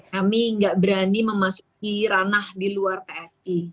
kami nggak berani memasuki ranah di luar psi